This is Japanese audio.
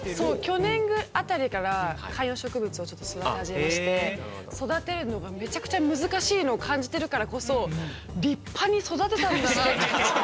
去年あたりから観葉植物をちょっと育て始めまして育てるのがめちゃくちゃ難しいのを感じてるからこそ立派に育てたんだなって。